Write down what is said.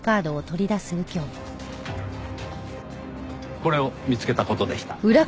これを見つけた事でした。